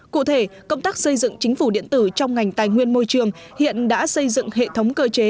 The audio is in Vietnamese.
cụ thể công tác xây dựng chính phủ điện tử trong ngành tài nguyên môi trường hiện đã xây dựng hệ thống cơ chế